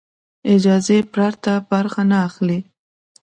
اجازې پرته برخه نه اخلي.